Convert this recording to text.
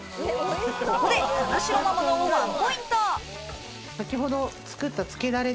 ここで金城ママのワンポイント。